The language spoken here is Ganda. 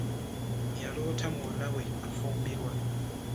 Yalota muwala we afumbirwa.